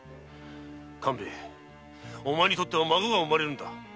勘兵衛お前にとっては孫が生まれるんだ。